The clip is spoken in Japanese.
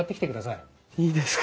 いいですか？